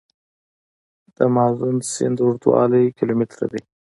د مازون سیند اوږدوالی کیلومتره دی.